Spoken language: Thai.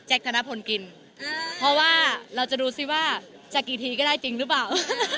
ธนพลกินเพราะว่าเราจะดูสิว่าจะกี่ทีก็ได้จริงหรือเปล่า